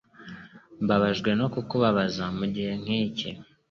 Mbabajwe no kukubabaza mugihe nkiki.